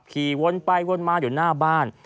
ขี่วนไปวนมาอยู่หน้าบ้าน